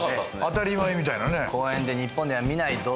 当たり前みたいなね